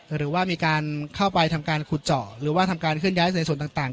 หรือว่ามีการเข้าไปทำการขุดเจาะหรือว่าทำการเคลื่อยในส่วนต่าง